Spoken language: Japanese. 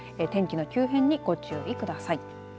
天気の急変にご注意ください。